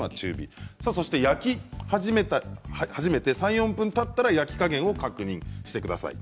焼き始めて３、４分たったら焼き加減を確認してください。